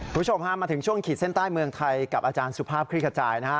คุณผู้ชมฮะมาถึงช่วงขีดเส้นใต้เมืองไทยกับอาจารย์สุภาพคลิกขจายนะฮะ